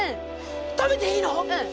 食べていいの？